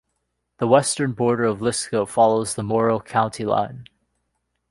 The western border of Lisco follows the Morrill County line.